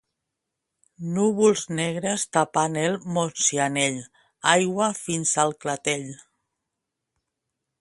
Núvols negres tapant el Montsianell, aigua fins al clatell.